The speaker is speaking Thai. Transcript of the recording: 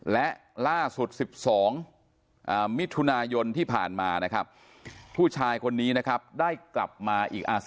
และล่าสุด๑๒มิถุนายนที่ผ่านมานะครับผู้ชายคนนี้นะครับได้กลับมาอีก